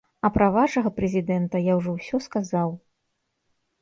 А пра вашага прэзідэнта я ўжо ўсё сказаў.